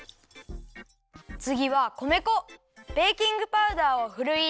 つぎは米粉ベーキングパウダーをふるいいれて。